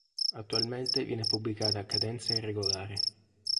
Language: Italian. Attualmente viene pubblicata a cadenza irregolare.